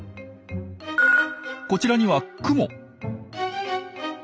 こちらにはクモ。